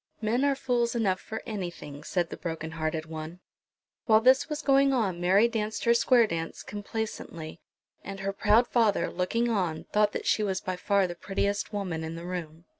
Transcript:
"Men are fools enough for anything," said the broken hearted one. While this was going on Mary danced her square dance complaisantly; and her proud father, looking on, thought that she was by far the prettiest woman in the room.